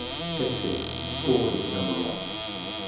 Teste (Score is number right.)